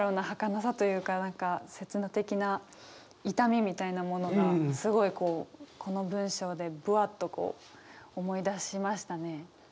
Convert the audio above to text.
はかなさというか何か刹那的な痛みみたいなものがすごいこうこの文章でぶわっとこう思い出しましたね。